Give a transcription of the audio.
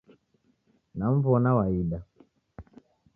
Namw'ona waida.